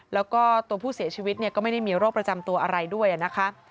แล้วก็ตัวผู้เสียชีวิตก็ไม่ได้มีโรคประจำตัวอะไรด้วยนะคะ